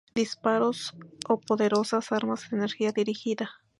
Disparos o poderosas armas de energía dirigida.